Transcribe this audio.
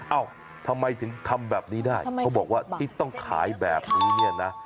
เอ้าทำไมถึงทำแบบนี้ได้เขาบอกว่าที่ต้องขายแบบนี้เนี่ยนะ